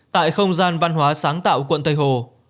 tại không gian văn hóa sáng tạo quận tây hồ